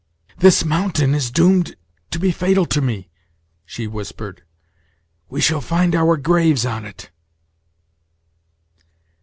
"This mountain is doomed to be fatal to me!" she whispered; "we shall find our graves on it!"